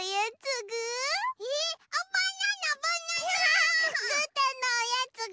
ぐーたんのおやつぐ？